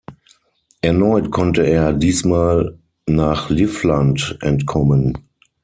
Erneut konnte er, diesmal nach Livland, entkommen.